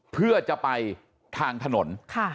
เพื่อจะไปทางถนน